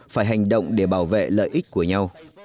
phải hành động để bảo vệ lợi ích của nhau